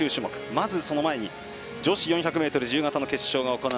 まず、その前に女子４００ｍ自由形の決勝です。